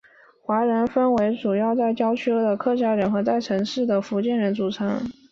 华人分为由主要在郊区的客家人和在城市地区的福建人组成。